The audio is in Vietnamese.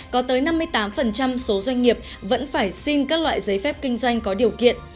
có tới năm mươi tám số doanh nghiệp vẫn phải xin các loại giấy phép kinh doanh có điều kiện